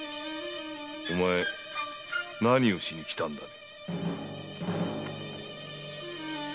お前何をしに来たんだね？